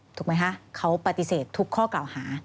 ถูกไหมคะเขาปฏิเสธทุกข้อกล่าวหา